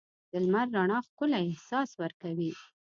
د لمر رڼا ښکلی احساس ورکوي.